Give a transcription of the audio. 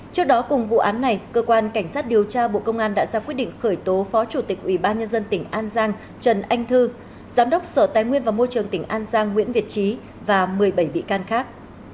trước đó cùng vụ án này cơ quan cảnh sát điều tra bộ công an đã ra quyết định khởi tố phó chủ tịch ủy ban nhân dân tỉnh an giang trần anh thư giám đốc sở tài nguyên và môi trường tỉnh an giang nguyễn việt trí và một mươi bảy bị can khác